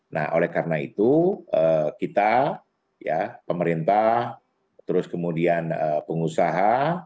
nah oleh karena itu kita ya pemerintah terus kemudian pengusaha